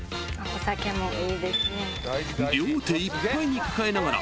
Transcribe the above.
［両手いっぱいに抱えながら］